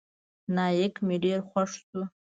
نايک مې ډېر خوښ سو.